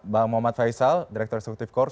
pak muhammad faisal direktur instruktif korps